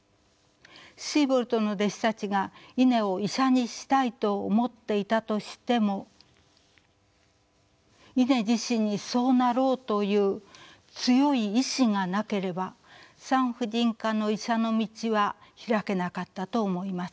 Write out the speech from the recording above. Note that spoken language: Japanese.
シーボルトの弟子たちがイネを医者にしたいと思っていたとしてもイネ自身にそうなろうという強い意志がなければ産婦人科の医者の道は開けなかったと思います。